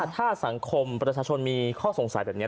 ถ้าสังคมประชาชนมีข้อสงสัยแบบนี้